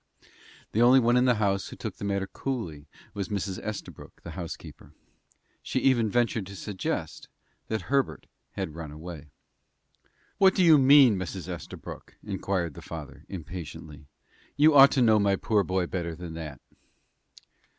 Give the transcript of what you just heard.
The only one in the house who took the matter coolly was Mrs. Estabrook, the housekeeper. She even ventured to suggest that Herbert had run away. "What do you mean, Mrs. Estabrook?" exclaimed the father, impatiently. "You ought to know my poor boy better than that!"